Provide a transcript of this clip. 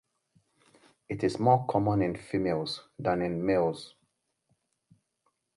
It is more common in females than in males.